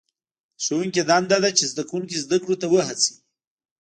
د ښوونکي دنده ده چې زده کوونکي زده کړو ته هڅوي.